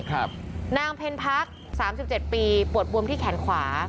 ครับนางเพลพักษ์๓๗ปีปวดบวมที่แขนขวา